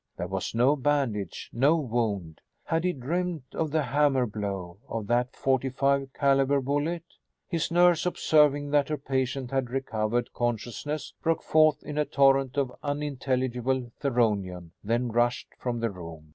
There was no bandage, no wound. Had he dreamed of the hammer blow of that forty five caliber bullet? His nurse, observing that her patient had recovered consciousness, broke forth in a torrent of unintelligible Theronian, then rushed from the room.